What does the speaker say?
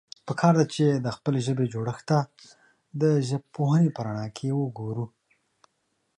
پکار ده، چې د خپلې ژبې جوړښت ته د ژبپوهنې په رڼا کې وګورو.